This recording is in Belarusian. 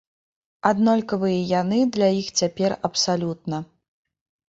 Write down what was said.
Аднолькавыя яны для іх цяпер абсалютна.